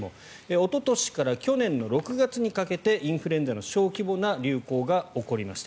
おととしから去年の６月にかけてインフルエンザの小規模な流行が起こりました。